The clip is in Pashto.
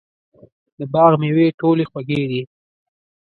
د باغ مېوې ټولې خوږې دي.